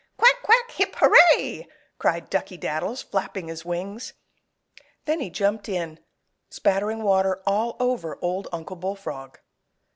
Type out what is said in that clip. "Quack! quack! hip! hurray!" cried Duckey Daddles, flapping his wings. Then he jumped in, spattering water all over Old Uncle Bullfrog.